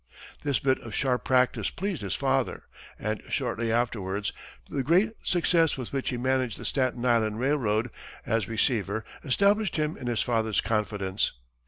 This bit of sharp practice pleased his father, and, shortly afterwards, the great success with which he managed the Staten Island Railroad, as receiver, established him in his father's confidence.